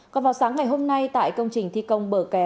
còn vào sáng ngày hôm nay tại công trình thi công bờ kè